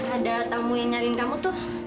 ada tamu yang nyariin kamu tuh